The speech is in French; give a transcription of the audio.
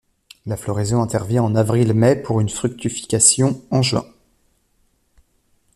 La floraison intervient en avril-mai pour une fructification en juin.